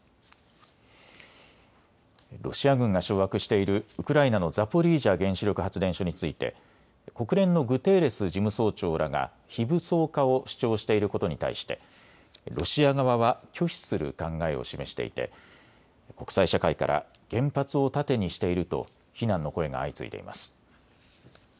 ロシア軍が掌握しているウクライナのザポリージャ原子力発電所について国連のグテーレス事務総長らが非武装化を主張していることに対してロシア側は拒否する考えを示していて国際社会から原発を盾にしていると非難の声が相次いでいます。